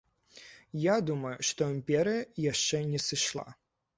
Я думаю, што імперыя яшчэ не сышла.